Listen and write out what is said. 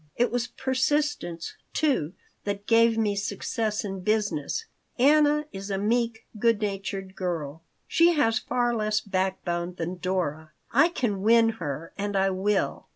It was persistence, too, that gave me success in business. Anna is a meek, good natured girl. She has far less backbone than Dora. I can win her, and I will."